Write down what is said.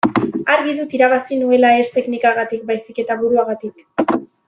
Argi dut irabazi nuela ez teknikagatik baizik eta buruagatik.